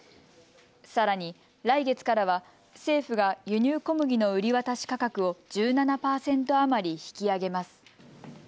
さらに来月からは政府が輸入小麦の売り渡し価格を１７％余り引き上げます。